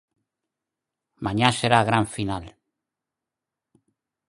Mañá será a gran final.